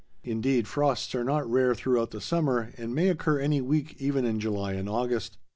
Indeed, frosts are not rare throughout the summer and may occur any week even in July and August.